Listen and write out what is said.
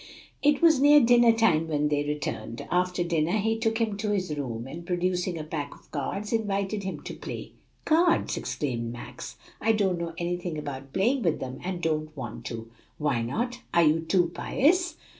It was near dinner time when they returned. After dinner he took him to his room, and producing a pack of cards, invited him to play. "Cards!" exclaimed Max. "I don't know anything about playing with them, and don't want to." "Why not? are you too pious?"